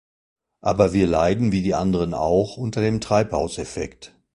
Aber wir leiden wie die anderen auch unter dem Treibhauseffekt.